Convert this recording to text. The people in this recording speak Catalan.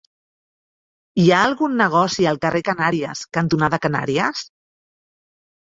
Hi ha algun negoci al carrer Canàries cantonada Canàries?